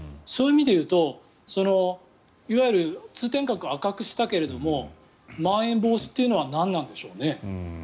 そういう意味でいうと、いわゆる通天閣を赤くしたけれどもまん延防止というのは何なんでしょうね。